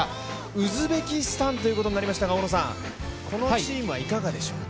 ウズベキスタンということになりましたが、このチームはいかがでしょうか。